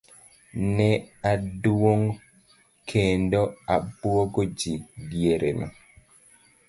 Ne oduong' kendo obuogo ji diereno.